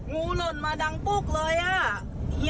งูหล่นมาดังปุกเลย